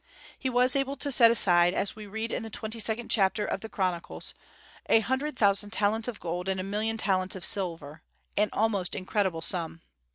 He was able to set aside, as we read in the twenty second chapter of the Chronicles, a hundred thousand talents of gold and a million talents of silver, an almost incredible sum.